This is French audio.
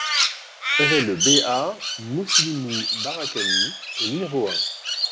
RLE BA MOUSSILIMOU BARAKANI au numéro un